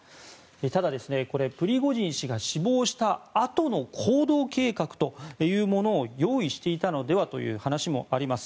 ただ、プリゴジン氏が死亡したあとの行動計画を用意していたのではという話もあります。